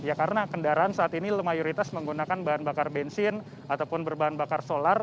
ya karena kendaraan saat ini mayoritas menggunakan bahan bakar bensin ataupun berbahan bakar solar